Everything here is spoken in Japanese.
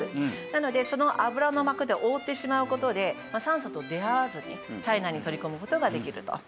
なのでその油の膜で覆ってしまう事で酸素と出会わずに体内に取り込む事ができると。